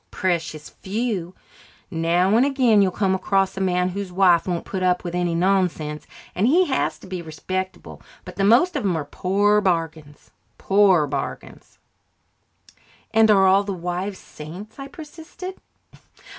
"Precious few. Now and again you'll come across a man whose wife won't put up with any nonsense and he has to be respectable. But the most of 'em are poor bargains poor bargains." "And are all the wives saints?" I persisted.